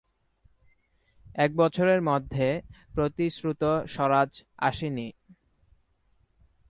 এক বছরের মধ্যে প্রতিশ্রুত স্বরাজ আসে নি।